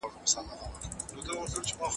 چي د حق پر لار باندي به روان سوې